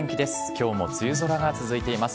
きょうも梅雨空が続いています。